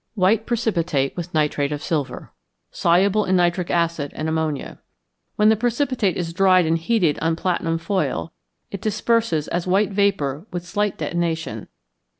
_ White precipitate with nitrate of silver, soluble in nitric acid and ammonia. When the precipitate is dried and heated on platinum foil, it disperses as white vapour with slight detonation.